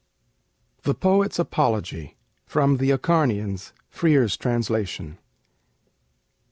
THE POET'S APOLOGY From 'The Acharnians': Frere's Translation.